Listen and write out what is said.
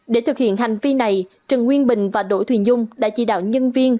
để thực hiện hành vi này trần nguyên bình và đỗ thuyền dung đã chỉ đạo nhân viên